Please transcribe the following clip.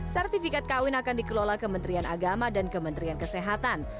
sertifikat kawin akan dikelola kementerian agama dan kementerian kesehatan